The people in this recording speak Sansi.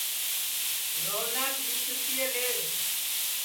روہناس ٻیس رِپئے لیوَ